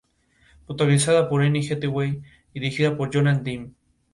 Esto despediría a las procesiones pintadas, que representaban a los dignatarios.